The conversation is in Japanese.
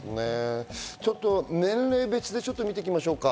年齢別で見ていきましょうか。